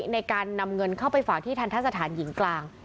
ในการนำเงินเข้าไปฝากที่ทันทะสถานหญิงกลาง